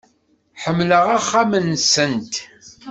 Ḥemmleɣ axxam-nsent.